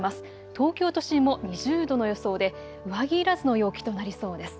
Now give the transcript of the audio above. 東京都心も２０度の予想で上着いらずの陽気となりそうです。